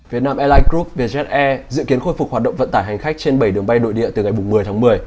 việt nam airline group vje dự kiến khôi phục hoạt động vận tải hành khách trên bảy đường bay đội địa từ ngày một mươi tháng một mươi